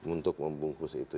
untuk membungkus itu